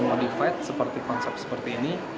kita cobain modifate konsep seperti ini